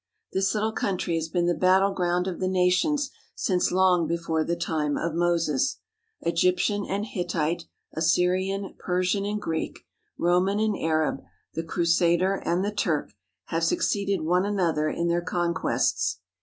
This little country has been the battleground of the nations since long before the time of Moses. Egyptian and Hittite, Assyrian, Persian and Greek, Roman and Arab, the Crusader and the Turk have succeeded one another in their conquests.